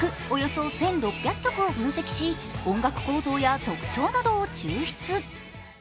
およそ１６００曲を分析し、音楽構造や特徴などを抽出。